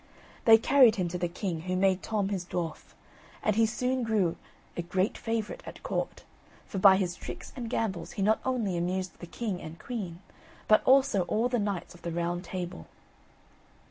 They carried him to the king, who made Tom his dwarf, and he soon grew a great favourite at court; for by his tricks and gambols he not only amused the king and queen, but also all the Knights of the Round Table.